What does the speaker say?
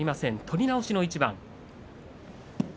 取り直しの一番。